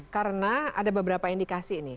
karena ada beberapa indikasi nih